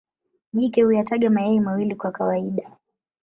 Jike huyataga mayai mawili kwa kawaida.